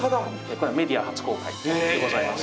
これはメディア初公開でございます。